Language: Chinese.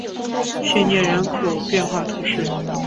谢涅人口变化图示